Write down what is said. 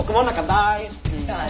大好き。